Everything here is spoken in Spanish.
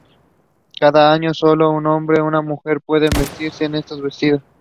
Cada año, sólo un hombre y una mujer pueden vestirse con estos vestidos.